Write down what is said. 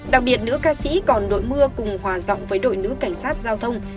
đặc biệt nữ ca sĩ còn đội mưa cùng hòa giọng với đội nữ cảnh sát giao thông